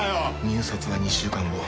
「入札は２週間後。